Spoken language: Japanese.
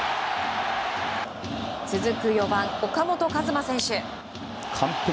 続く４番、岡本和真選手。